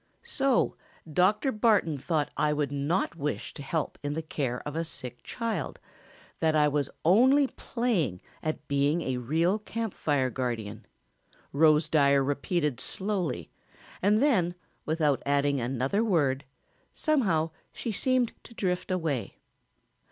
"So Dr. Barton thought I would not wish to help in the care of a sick child, that I was only playing at being a real Camp Fire guardian," Rose Dyer repeated slowly and then, without adding another word, somehow she seemed to drift away.